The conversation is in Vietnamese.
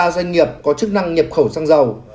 ba mươi ba doanh nghiệp có chức năng nhập khẩu xăng dầu